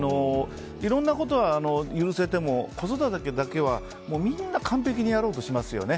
いろんなことは許せても子育てだけは、みんな完璧にやろうとしますよね。